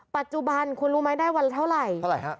ปัจจุบันคุณรู้ไหมได้วันเท่าไหร่